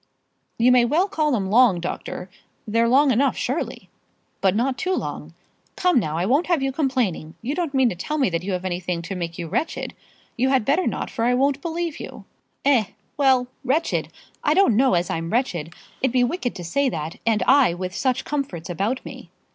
"You may well call them long, doctor. They're long enough surely." "But not too long. Come, now, I won't have you complaining. You don't mean to tell me that you have anything to make you wretched? You had better not, for I won't believe you." "Eh; well; wretched! I don't know as I'm wretched. It'd be wicked to say that, and I with such comforts about me."